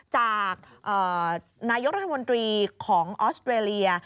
จากนายกรัฐมนตรีของออสเตรเลีย